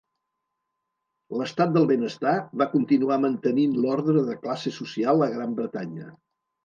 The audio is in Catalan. L'estat del benestar va continuar mantenint l'ordre de classe social a Gran Bretanya.